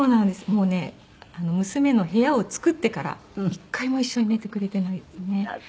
もうね娘の部屋を作ってから一回も一緒に寝てくれていないですね。